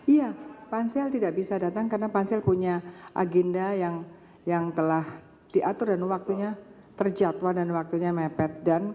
iya pansel tidak bisa datang karena pansel punya agenda yang telah diatur dan waktunya terjatuh dan waktunya mepet